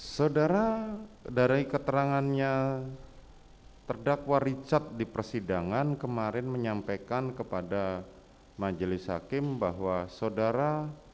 saudara dari keterangannya terdakwa richard di persidangan kemarin menyampaikan kepada majelis hakim bahwa saudara